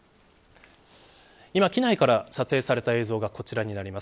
今、機内から撮影された映像がこちらになります。